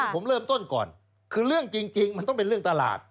ผมเริ่มต้นก่อนคือเรื่องจริงมันต้องเป็นเรื่องตลาด